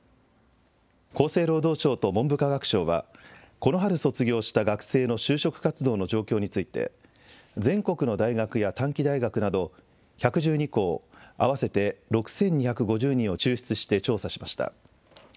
厚生労働省と文部科学省はこの春卒業した学生の就職活動の状況について全国の大学や短期大学など１１２校、合わせて６２５０人を抽出して調査しました。